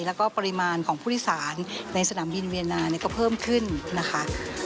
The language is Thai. แล้วก็ปริมาณของผู้โดยสารในสนามบินเวียนาก็เพิ่มขึ้นนะคะ